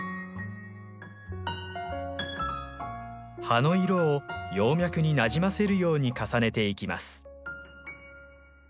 葉の色を葉脈になじませるように重ねていきます。